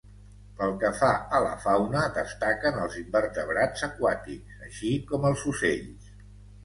Pel que fa a la fauna, destaquen els invertebrats aquàtics, així com els ocells.